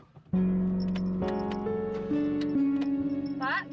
iya kenapa nggak suka